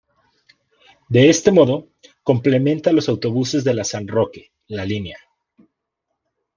De este modo, complementa a los autobuses de la San Roque-La Línea.